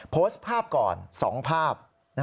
โพสต์ภาพก่อน๒ภาพ